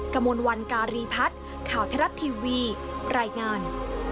กระมวลวันการีพัฒน์ข่าวไทยรัฐทีวีรายงาน